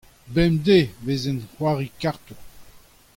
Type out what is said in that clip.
bemdez e vezent o c'hoari kartoù.